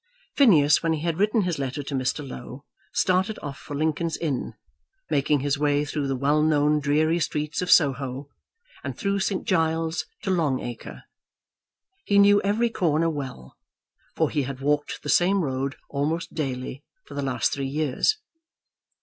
Phineas, when he had written his letter to Mr. Low, started off for Lincoln's Inn, making his way through the well known dreary streets of Soho, and through St. Giles's, to Long Acre. He knew every corner well, for he had walked the same road almost daily for the last three years.